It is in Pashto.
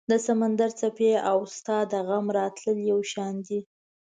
د سمندر څپې او ستا د غم راتلل یو شان دي